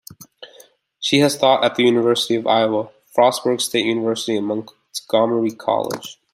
She has taught at the University of Iowa, Frostburg State University, and Montgomery College.